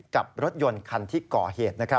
กับรถยนต์คันที่ก่อเหตุนะครับ